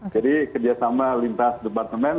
jadi kerjasama lintas departemen